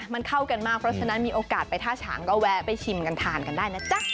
มันเข้ากันมากเพราะฉะนั้นมีโอกาสไปท่าฉางก็แวะไปชิมกันทานกันได้นะจ๊ะ